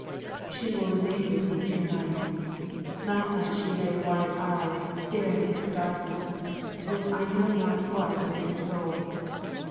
She will remain with me two nights. Last night she lay wide eyed, staring into the darkness, with I know not what within her soul.